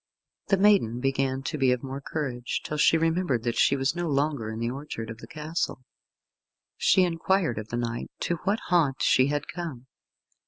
The maiden began to be of more courage, till she remembered that she was no longer in the orchard of the castle. She inquired of the knight to what haunt she had come.